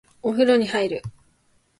お風呂に入る